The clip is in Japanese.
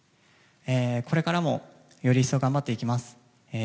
これからもより一層頑張っていきます。